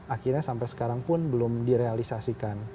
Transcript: akhirnya sampai sekarang pun belum direalisasikan